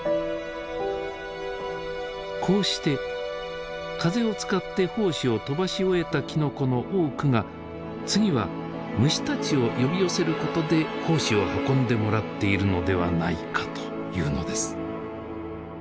こうして風を使って胞子を飛ばし終えたきのこの多くが次は虫たちを呼び寄せることで胞子を運んでもらっているのではないかというのです。